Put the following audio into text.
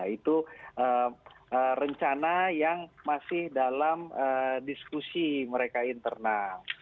itu rencana yang masih dalam diskusi mereka internal